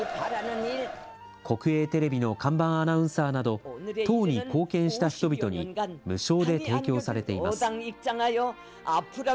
国営テレビの看板アナウンサーなど、党に貢献した人々に無償で提供されています。